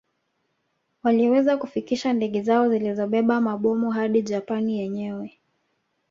Walioweza kufikisha ndege zao zilizobeba mabomu hadi Japani yenyewe